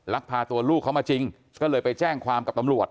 พาตัวลูกเขามาจริงก็เลยไปแจ้งความกับตำรวจ